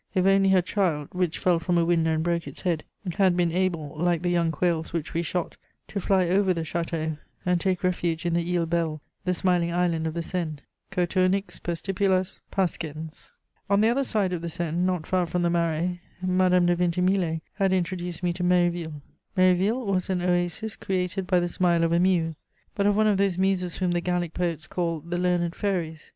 If only her child, which fell from a window and broke its head, had been able, like the young quails which we shot, to fly over the château and take refuge in the Île Belle, the smiling island of the Seine: Coturnix per stipulas pascens! On the other side of the Seine, not far from the Marais, Madame de Vintimille had introduced me to Méréville. Méréville was an oasis created by the smile of a muse, but of one of those muses whom the Gallic poets call "the learned fairies."